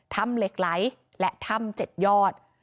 ถ้ำเหล็กไหลและถ้ำ๗ยอด